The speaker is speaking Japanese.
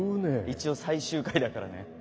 一応最終回だからね。